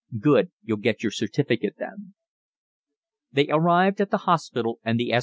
"Good. You'll get your certificate then." They arrived at the hospital, and the S.